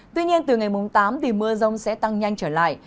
tuy nhiên từ ngày mùng tám mưa rông sẽ tăng nhanh trở lại